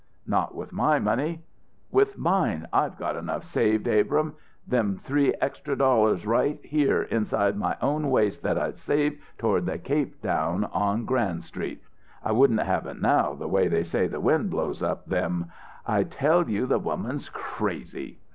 "Not with my money." "With mine! I've got enough saved, Abrahm. Them three extra dollars right here inside my own waist, that I saved toward that cape down on Grand Street. I wouldn't have it now the way they say the wind blows up them " "I tell you the woman's crazy!"